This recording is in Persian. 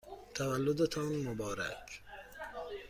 تولدتان مبارک!